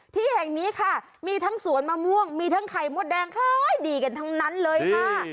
ที่แห่งนี้ค่ะมีทั้งสวนมะม่วงมีทั้งไข่มดแดงขายดีกันทั้งนั้นเลยค่ะ